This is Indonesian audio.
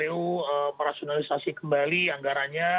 kita harus merasionalisasi kembali anggarannya